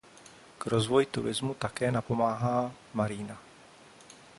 K rozvoji turismu také napomáhá marina.